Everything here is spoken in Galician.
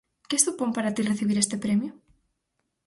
Que supón para ti recibir este premio?